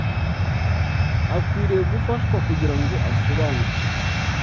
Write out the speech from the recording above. Akwiriye gufashwa kugira ngo asobanukirwe